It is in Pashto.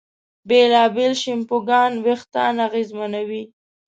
بېلابېل شیمپوګان وېښتيان اغېزمنوي.